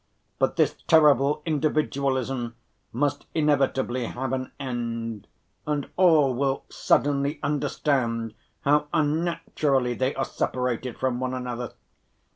But this terrible individualism must inevitably have an end, and all will suddenly understand how unnaturally they are separated from one another.